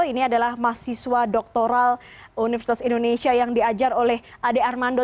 ini adalah mahasiswa doktoral universitas indonesia yang diajar oleh ade armando